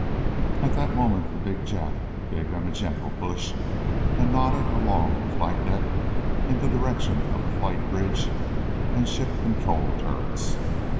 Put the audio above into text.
At that moment the big Jap gave them a gentle push and nodded along the flight deck in the direction of the flight bridge and ship control turrets.